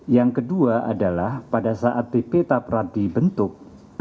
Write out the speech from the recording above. yang kedua adalah pada saat bp taprat dibentuk